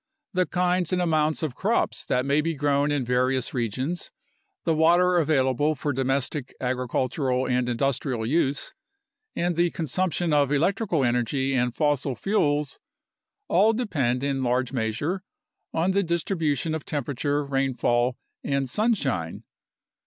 The kinds and amounts of crops that may be grown in various regions, the water available for domestic, agricultural, and industrial use, and the consumption of electrical energy and fossil fuels all depend in large measure on the distribution of temperature, rainfall, and sun shine.